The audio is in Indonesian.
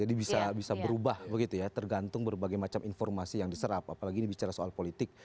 jadi bisa berubah begitu ya tergantung berbagai macam informasi yang diserap apalagi ini bicara soal politik